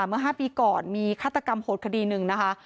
เมื่อ๕ปีก่อนมีฆาตกรรมโหดคดีหนึ่งนะคะ